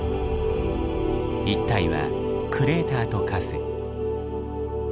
一帯はクレーターと化す。